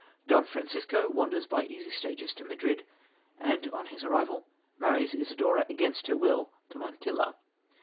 Don Francisco wanders by easy stages to Madrid, and, on his arrival, marries Isidora against her will to Montilla.